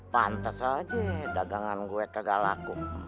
pantas aja dagangan gue kagak laku